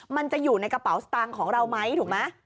มันจะอยู่ในกระเป๋าสตางค์ของเราไหมถูกไหม